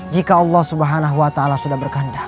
jika allah subhanahu wa ta'ala sudah berkandang